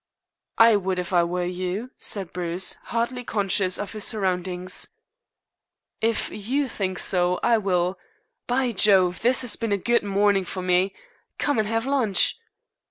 "I would if I were you," said Bruce, hardly conscious of his surroundings. "If you think so, I will. By Jove, this has been a good morning for me. Come and have lunch."